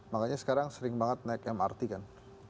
makanya sekarang sering banget naik mrt kan